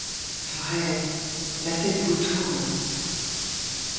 Vrai, la tête vous tourne.